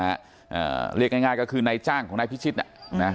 อ่าเรียกง่ายง่ายก็คือนายจ้างของนายพิชิตอ่ะนะ